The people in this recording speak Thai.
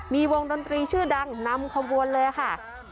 มีวงดนตรีชื่อดังนำขบวนเลยค่ะ